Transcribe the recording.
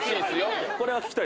これは聞きたいです。